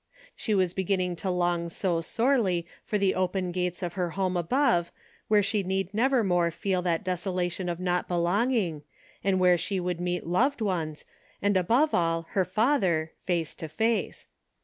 She was beginning to long so sorely for the open gates of her home above where she need never more feel that desolation of not belonging, and where she would meet loved ones, and above all her Father, face to face.